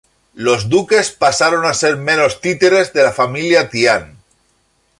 Los duques pasaron a ser meros títeres de la familia Tian.